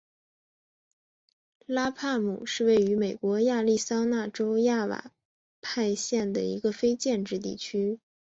拉帕姆是位于美国亚利桑那州亚瓦派县的一个非建制地区。